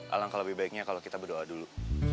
alangkah lebih baiknya kalau kita berdoa dulu